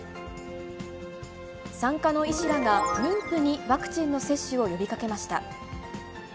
産科の医師らが妊婦にワクチンの接種を呼びかけました。